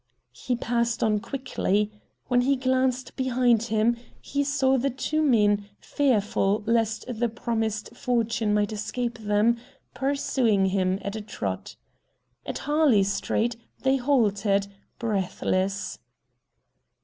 He passed on quickly. When he glanced behind him, he saw the two men, fearful lest the promised fortune might escape them, pursuing him at a trot. At Harley Street they halted, breathless.